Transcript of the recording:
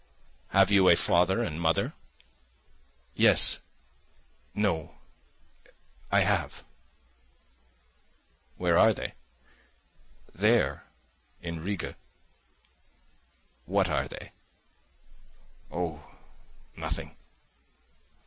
"Have you a father and mother?" "Yes ... no ... I have." "Where are they?" "There ... in Riga." "What are they?" "Oh, nothing."